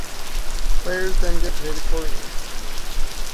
Players then get paid accordingly.